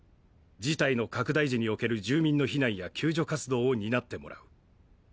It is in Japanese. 事態の拡大時における住民の避難や救助活動を担ってもらう。